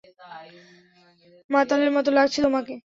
মাতালের মতো লাগছে তোমাকে।